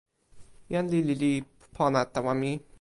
jan lili li pona tawa mi.